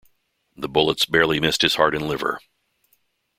The bullets barely missed his heart and liver.